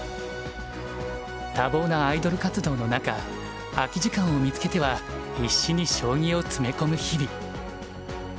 多忙なアイドル活動の中空き時間を見つけては必死に将棋を詰め込む日々。